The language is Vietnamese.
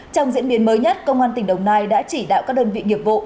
trong diễn biến mới nhất công an tỉnh đồng nai đã chỉ đạo các đơn vị nghiệp vụ